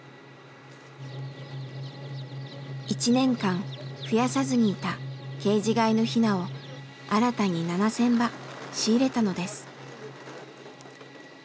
１年間ふやさずにいたケージ飼いのヒナを新たに７，０００羽仕入れたのです。